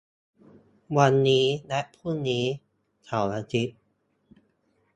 วันนี้และพรุ่งนี้ เสาร์-อาทิตย์